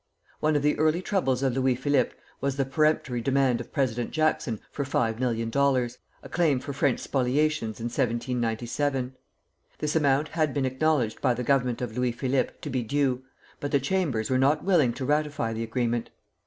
One of the early troubles of Louis Philippe was the peremptory demand of President Jackson for five million dollars, a claim for French spoliations in 1797. This amount had been acknowledged by the Government of Louis Philippe to be due, but the Chambers were not willing to ratify the agreement.